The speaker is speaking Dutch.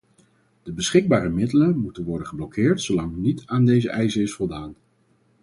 De beschikbare middelen moeten worden geblokkeerd zolang niet aan deze eisen is voldaan.